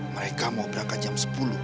mereka mau berangkat jam sepuluh